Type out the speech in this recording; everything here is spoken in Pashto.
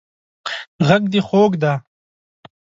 غږ دې خوږ دی